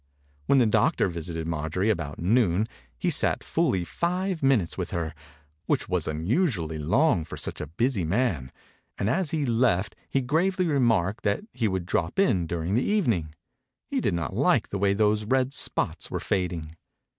When the doctor visited Mar jorie about noon he sat fully five minutes with her, which was unusually long for such a busy man, and as he left he gravely remarked that he would drop in during the evening. 71 THE INCUBATOR BABY He did not like the way those red spots were fading.